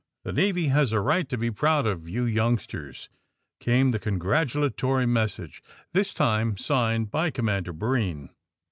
The Navy has a right to be proud of you youngsters !'' came the congratu latory message, this time signed by Commander Breen.